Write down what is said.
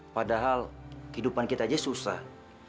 padahal kehidupan kita aja susah